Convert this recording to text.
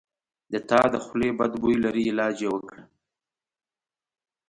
د تا د خولې بد بوي لري علاج یی وکړه